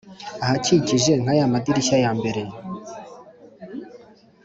ahakikije nka ya madirishya ya mbere